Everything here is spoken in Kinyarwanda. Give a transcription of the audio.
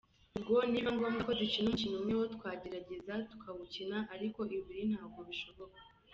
Ubwo nibiba ngombwa ko dukina umukino umwe wo twagerageza tukawukina ariko ibiri ntabwo bishoboka.